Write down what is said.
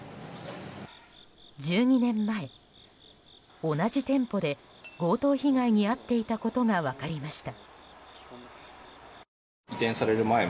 １２年前、同じ店舗で強盗被害に遭っていたことが分かりました。